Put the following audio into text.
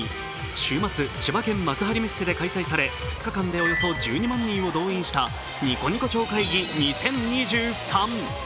週末、千葉県幕張メッセで開催され２日間でおよそ１２万人を動員したニコニコ超会議２０２３。